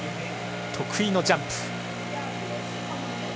得意のジャンプ。